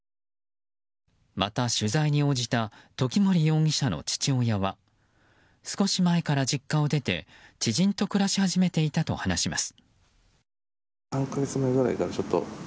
また取材に応じた時森容疑者の父親は少し前から実家を出て知人と暮らし始めていたと話します。